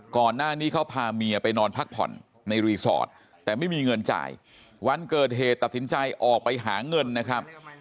ก่อนหน้านี้เขาพาเมียไปนอนพักผ่อนในรีสอร์ทแต่ไม่มีเงินจ่ายวันเกิดเหตุตัดสินใจออกไปหาเงินนะครับ